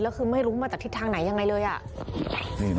พวกมันกลับมาเมื่อเวลาที่สุดพวกมันกลับมาเมื่อเวลาที่สุด